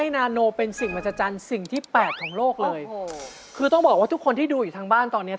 นานโนนะ